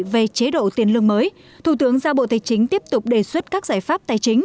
về chế độ tiền lương mới thủ tướng giao bộ tài chính tiếp tục đề xuất các giải pháp tài chính